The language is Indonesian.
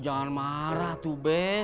jangan marah tuh be